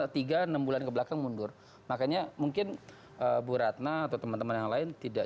tiga enam bulan kebelakang mundur makanya mungkin bu ratna atau teman teman yang lain tidak